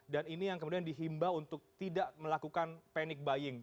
dan ini yang kemudian dihimba untuk tidak melakukan panic buying